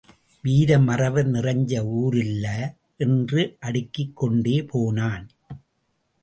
வீர மறவர் நிறைஞ்ச ஊரில்ல என்று அடுக்கிக் கொண்டே போனான்.